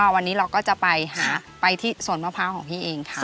วันนี้เราก็จะไปหาไปที่สวนมะพร้าวของพี่เองค่ะ